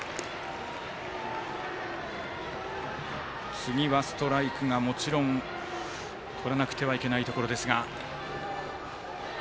次はストライクがもちろんとらなくてはいけないところですが。